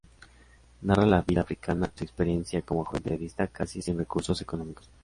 Narra la vida africana y su experiencia como joven periodista casi sin recursos económicos.